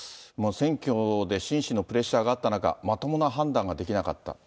選挙で心身のプレッシャーがあった中、まともな判断ができなかった。